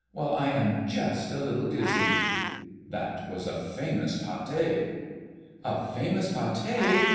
Well, I am just a little dizzy!" "That was a famous pâté!" "A famous pâté!